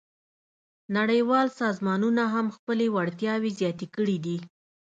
نړیوال سازمانونه هم خپلې وړتیاوې زیاتې کړې دي